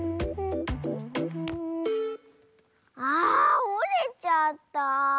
あおれちゃった。